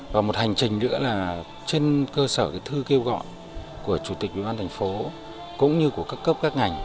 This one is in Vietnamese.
và một hành trình nữa là trên cơ sở thư kêu gọi của chủ tịch ubnd thành phố cũng như của các cấp các ngành